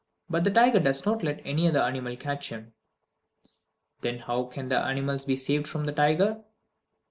But the tiger does not let any animal catch him. Then how can the other animals be saved from the tiger?